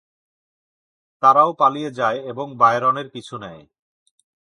তারাও পালিয়ে যায় এবং বায়রনের পিছু নেয়।